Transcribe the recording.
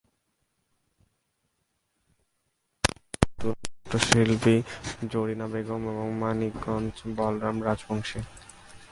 অভিজ্ঞতা বর্ণনা করেন সাতক্ষীরার পুতুল নাট্যশিল্পী জরিনা বেগম এবং মানিকগঞ্জের বলরাম রাজবংশী।